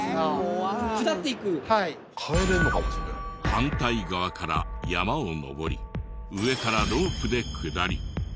反対側から山を登り上からロープで下り